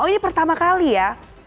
oh ini pertama kali ya